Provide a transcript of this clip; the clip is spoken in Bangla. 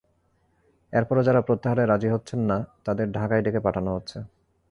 এরপরও যাঁরা প্রত্যাহারে রাজি হচ্ছেন না, তাঁদের ঢাকায় ডেকে পাঠানো হচ্ছে।